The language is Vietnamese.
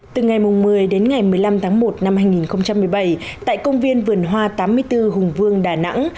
từ ngày một mươi đến ngày một mươi năm tháng một năm hai nghìn một mươi bảy tại công viên vườn hoa tám mươi bốn hùng vương đà nẵng